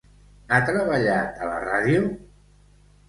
Ha treballat a la ràdio?